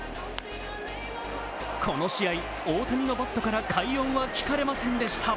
この試合、大谷のバットから快音は聞かれませんでした。